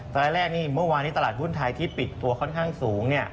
ตอนแรกนี่เมื่อวานนี้ตลาดหุ้นไทยที่ปิดตัวค่อนข้างสูง